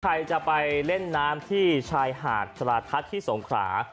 ใครจะไปเล่นน้ำที่ชายหาดชะลาทัศน์ที่สงขรา